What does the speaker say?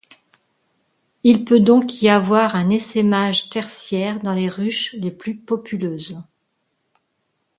Il peut donc y avoir un essaimage tertiaire dans les ruches les plus populeuses.